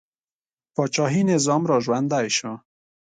پاچاهي نظام را ژوندی شو.